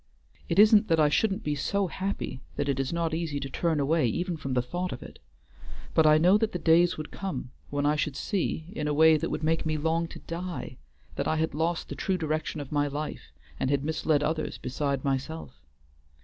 It isn't that I shouldn't be so happy that it is not easy to turn away even from the thought of it; but I know that the days would come when I should see, in a way that would make me long to die, that I had lost the true direction of my life and had misled others beside myself.